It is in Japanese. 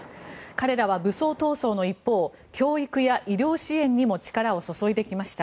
彼らは武装闘争の一方教育や医療支援にも力を注いできました。